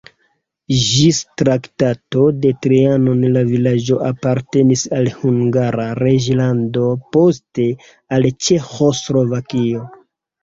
Ĝis Traktato de Trianon la vilaĝo apartenis al Hungara reĝlando, poste al Ĉeĥoslovakio.